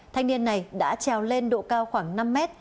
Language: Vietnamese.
thanh niên này đã trèo lên độ cao khoảng năm mét